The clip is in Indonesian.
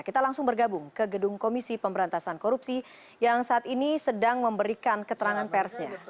kita langsung bergabung ke gedung komisi pemberantasan korupsi yang saat ini sedang memberikan keterangan persnya